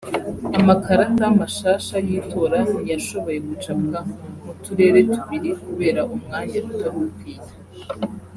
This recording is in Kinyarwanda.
Amakarata mashasha y'itora ntiyashoboye gucapwa mu turere tubiri kubera umwanya utari ukwiye